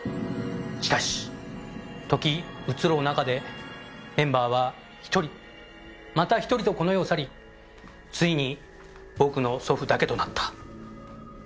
しかし時移ろう中でメンバーは１人また１人とこの世を去りついに僕の祖父だけとなった。